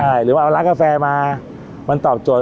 ใช่หรือว่าเอาร้านกาแฟมามันตอบโจทย